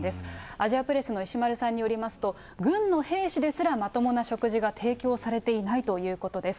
アジアプレスの石丸さんによりますと、軍の兵士ですらまともな食事が提供されていないということです。